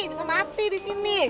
bisa mati disini